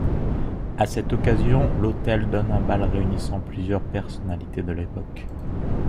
À cette occasion, l'hôtel donne un bal réunissant plusieurs personnalités de l'époque.